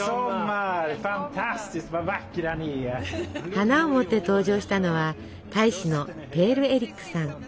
花を持って登場したのは大使のペールエリックさん。